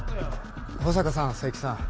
保坂さん佐伯さん